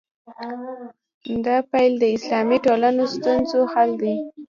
دا پیل د اسلامي ټولنو ستونزو حل دی.